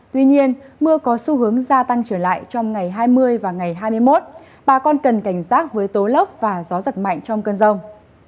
tuy nhiên mưa có xu hướng gia tăng trở lại trong ngày hai mươi và ngày hai mươi một bà con cần cảnh giác với tố lốc và gió giật mạnh trong cơn rông